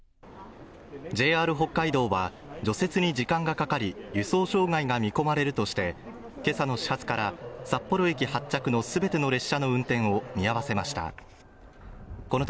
ＪＲ北海道は除雪に時間がかかり輸送障害が見込まれるとしてけさの始発から札幌駅発着のすべての列車の運転を見合わせました